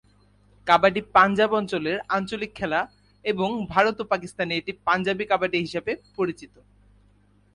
কাবাডি পাঞ্জাব অঞ্চলের আঞ্চলিক খেলা এবং ভারত ও পাকিস্তানে এটি পাঞ্জাবি কাবাডি হিসাবে পরিচিত।